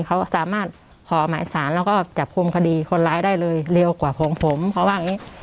เขาสามารถขอหมายสารแล้วก็จับกลุ่มคดีคนร้ายได้เลยเร็วกว่าของผมเขาว่าอย่างนี้